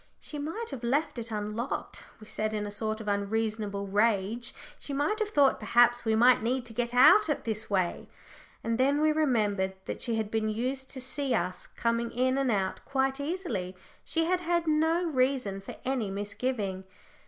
"She might have left it unlocked," we said, in a sort of unreasonable rage; "she might have thought perhaps we might need to get out this way." And then we remembered that she had been used to see us coming in and out quite easily. She had had no reason for any misgiving.